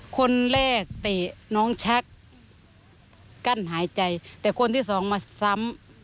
คนแรกเตะน้องชักกั้นหายใจแต่คนที่สองมาซ้ำ